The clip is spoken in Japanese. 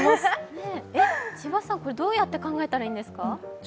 千葉さん、どうやって考えたらいいんですか？